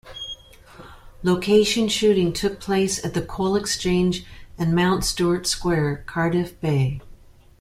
Location shooting took place at the Coal Exchange and Mount Stuart Square, Cardiff Bay.